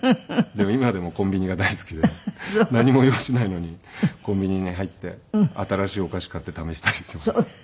でも今でもコンビニが大好きで何も用事ないのにコンビニに入って新しいお菓子買って試したりしています。